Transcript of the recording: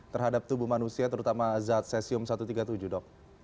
terhadap tubuh manusia terutama zat cesium satu ratus tiga puluh tujuh dok